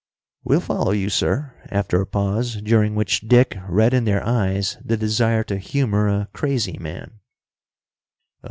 "We'll follow you, sir" after a pause, during which Dick read in their eyes the desire to humor a crazy man.